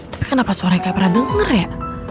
tapi kenapa suaranya pernah denger ya